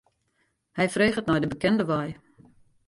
Hy freget nei de bekende wei.